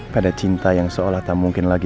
pada cinta yang seolah tak mungkin lagi